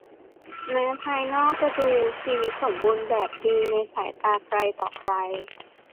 แม้ภายนอกจะดูชีวิตสมบูรณ์แบบดีในสายตาใครต่อใคร